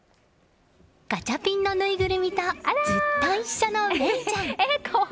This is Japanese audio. ガチャピンのぬいぐるみとずっと一緒の芽生ちゃん。